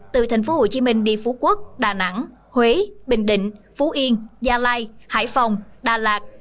từ tp hcm đi phú quốc đà nẵng huế bình định phú yên gia lai hải phòng đà lạt